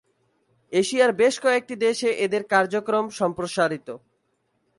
এশিয়ার বেশ কয়েকটি দেশে এদের কার্যক্রম সম্প্রসারিত।